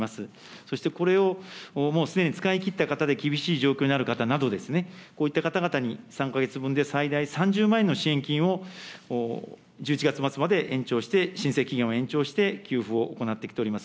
そして、これをもうすでに使い切った方で厳しい状況にある方など、こういった方々に、３か月分で最大３０万円の支援金を１１月末まで延長して、申請期限を延長して給付を行ってきております。